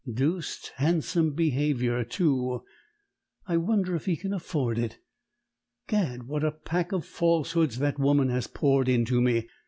Deuced handsome behaviour, too. I wonder if he can afford it? Gad, what a pack of falsehoods that woman has poured into me!